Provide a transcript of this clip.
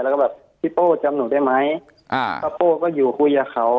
แล้วก็แบบพี่โป้จำหนูได้ไหมป้าโป้ก็อยู่คุยกับเขา